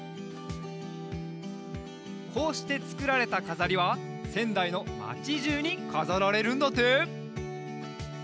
こうしてつくられたかざりはせんだいのまちじゅうにかざられるんだって！